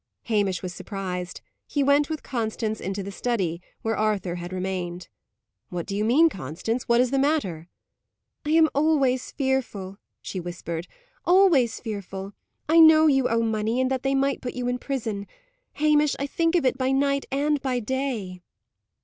Hamish was surprised. He went with Constance into the study, where Arthur had remained. "What do you mean, Constance? What is the matter?" "I am always fearful," she whispered; "always fearful; I know you owe money, and that they might put you in prison. Hamish, I think of it by night and by day."